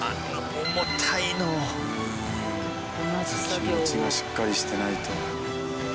気持ちがしっかりしてないと。